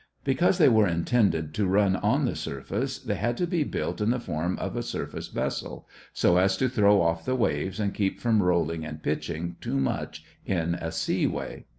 Because they were intended to run on the surface they had to be built in the form of a surface vessel, so as to throw off the waves and keep from rolling and pitching too much in a seaway.